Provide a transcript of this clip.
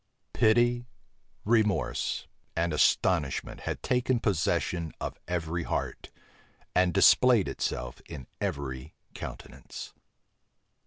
Pity, remorse, and astonishment had taken possession of every heart, and displayed itself in every countenance.